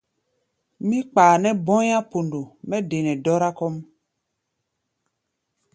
Mí kpaa nɛ́ bɔ̧́í̧á̧ pondo mɛ́ de nɛ dere kɔ́ʼm.